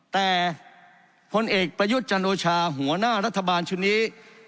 แต่พลเอกประยุทธ์จันโอชาหัวหน้ารัฐบาลชุดนี้